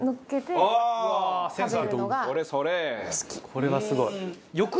これはすごい。